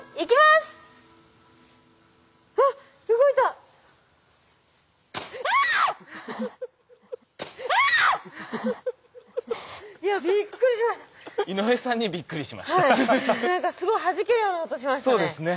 すごいはじけるような音しましたね。